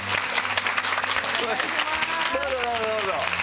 どうぞどうぞどうぞ。